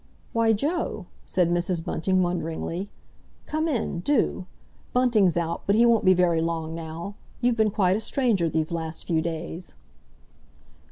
"Why, Joe?" said Mrs. Bunting wonderingly. "Come in—do! Bunting's out, but he won't be very long now. You've been quite a stranger these last few days."